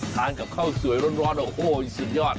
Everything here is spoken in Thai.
กับข้าวสวยร้อนโอ้โหสุดยอด